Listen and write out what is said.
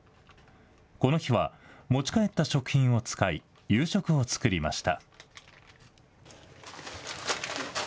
この日は持ち帰った食品を使い、夕食を作りました。